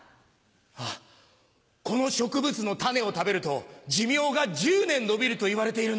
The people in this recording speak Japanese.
あぁこの植物の種を食べると寿命が１０年延びるといわれているんだ。